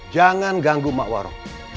jangan ganggu mak waro